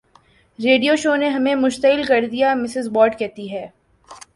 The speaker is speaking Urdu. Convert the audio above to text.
ریڈیو شو نے ہمیں مشتعل کر دیا مسز وارد کہتی ہے